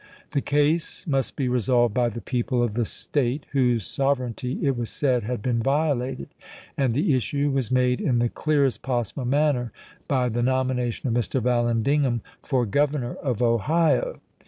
The case must be resolved by the people of the State whose sover eignty it was said had been violated, and the issue was made in the clearest possible manner by the nomination of Mr. Vallandigham for Governor of Ohio.